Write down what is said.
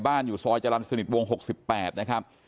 บ้านอยู่ซอยจรัมสนิทวง๖๘นะครับ